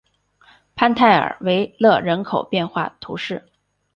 潘泰尔维勒人口变化图示